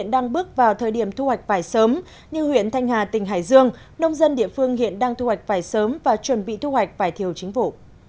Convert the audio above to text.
đang bước vào thời điểm thu hoạch vải sớm như huyện thanh hà tỉnh hải dương nông dân địa phương hiện đang thu hoạch vải sớm và chuẩn bị thu hoạch vải thiều chính vụ